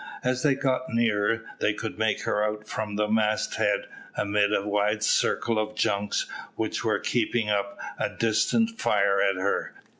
As they got nearer, they could make her out from the mast head, amid a wide circle of junks which were keeping up a distant fire at her.